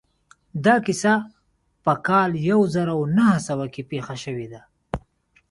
دا کيسه په کال يو زر و نهه سوه کې پېښه شوې ده.